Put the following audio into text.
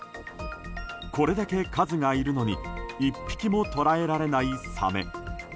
これだけ数がいるのに一匹もとらえられないサメ。